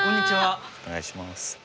お願いします。